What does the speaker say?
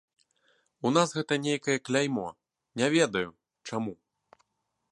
У нас гэта нейкае кляймо, не ведаю, чаму.